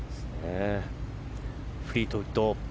フリートウッド。